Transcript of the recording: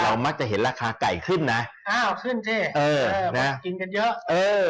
มักจะเห็นราคาไก่ขึ้นนะอ้าวขึ้นสิเออนะกินกันเยอะเออ